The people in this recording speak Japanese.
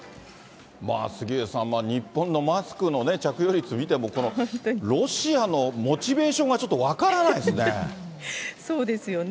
杉上さん、日本のマスクの着用率見ても、このロシアのモチベーションがちょっと分からないですね。